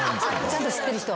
ちゃんと知ってる人？